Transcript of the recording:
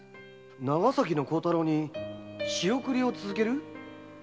〔長崎の孝太郎に仕送りを続ける？〕